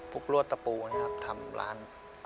กรวดตะปูนะครับทำร้าน